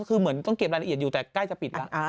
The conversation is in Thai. คือเหมือนต้องเก็บรายละเอียดอยู่แต่ใกล้จะปิดแล้ว